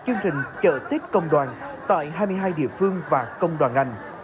chương trình chợ tết công đoàn tại hai mươi hai địa phương và công đoàn ngành